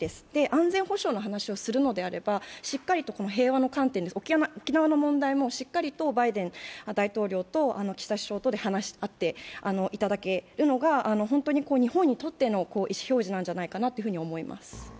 安全保障の話をするのであれば、しっかりと平和の観点、沖縄の問題もしっかりとバイデン大統領と岸田首相とで話し合っていただけるのが日本にとっての意思表示なんじゃないかなと思います。